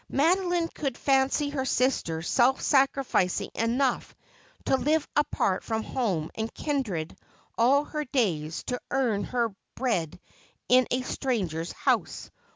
Mado line could fancy her sister self sacrificing enough to live apart from home and kindred all her days, to earn her bread in a stranger's house.